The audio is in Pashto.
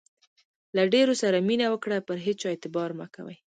له ډېرو سره مینه وکړئ، او پر هيچا اعتبار مه کوئ!